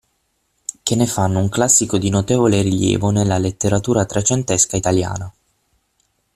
Che ne fanno un classico di notevole rilievo nella letteratura trecentesca italiana.